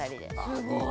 すごい。